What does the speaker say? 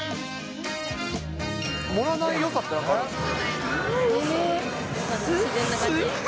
盛らないよさってあるんです